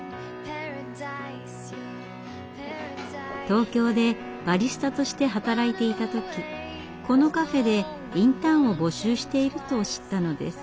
東京でバリスタとして働いていた時このカフェでインターンを募集していると知ったのです。